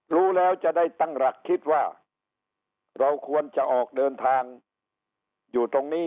รู้แล้วจะได้ตั้งหลักคิดว่าเราควรจะออกเดินทางอยู่ตรงนี้